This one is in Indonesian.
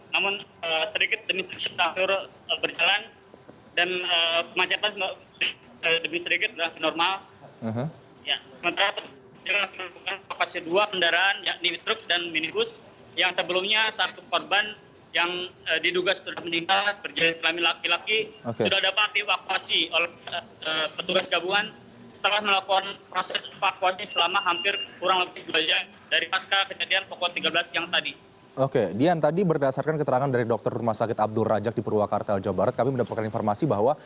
namun sedikit demikian langsung berjalan dan pemacatan sedikit berhasil normal